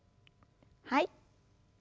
はい。